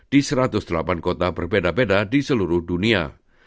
di satu ratus delapan kota berbeda beda di seluruh dunia